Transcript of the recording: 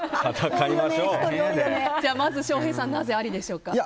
まず翔平さんなぜありでしょうか？